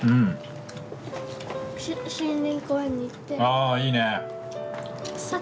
ああいいね！